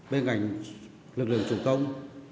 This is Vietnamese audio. bên cạnh lực lượng chủ công